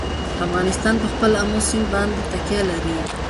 افغانستان په خپل آمو سیند باندې تکیه لري.